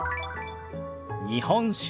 「日本酒」。